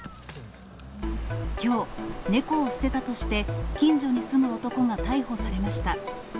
きょう、猫を捨てたとして近所に住む男が逮捕されました。